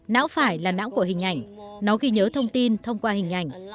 não phải là não của hình ảnh nó ghi nhớ thông tin thông qua hình ảnh